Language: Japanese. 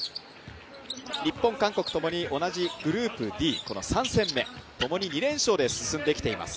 日本、韓国ともに同じグループＤ３戦目共に２連勝で進んできています。